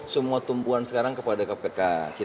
semua tumpuan sekarang kepada kpk